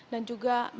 dan juga mengadukan